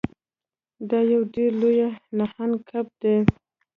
دا یو ډیر لوی نهنګ کب دی.